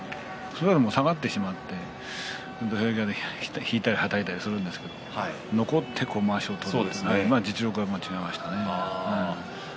下がってしまって土俵際で引いたりはたいたりするんですけども残ってまわしを取って実力が違いましたね。